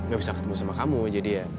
gak bisa ketemu sama kamu jadi ya